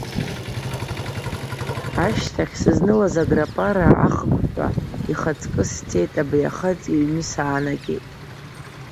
Ашьҭахь, сызнылаз аграпара ахыгәҳәа, ихаҵкы сцеит, абри ахаҵа иҩны саанагеит.